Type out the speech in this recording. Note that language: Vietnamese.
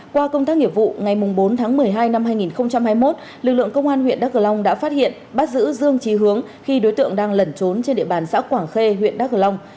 qua công tác nghiệp vụ ngày bốn tháng một mươi hai năm hai nghìn hai mươi một lực lượng công an huyện đắk cờ long đã phát hiện bắt giữ dương trí hướng khi đối tượng đang lẩn trốn trên địa bàn xã quảng khê huyện đắk cờ long